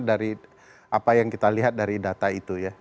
dari apa yang kita lihat dari data itu ya